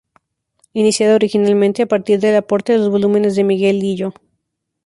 Iniciada originalmente a partir del aporte de los volúmenes de Miguel Lillo.